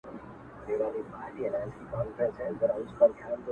مُلا به وي منبر به وي ږغ د آذان به نه وي.!